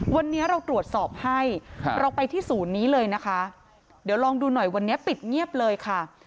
วันนี้เราตรวจสอบให้เราไปที่ศูนย์นี้เลยนะคะเดี๋ยวลองดูหน่อยวันนี้ปิดเงียบเลยค่ะ